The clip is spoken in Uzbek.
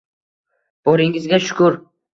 Boringizga shukr.